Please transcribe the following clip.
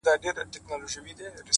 شپه كي هم خوب نه راځي جانه زما،